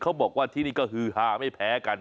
บอกว่าที่นี่ก็ฮือฮาไม่แพ้กัน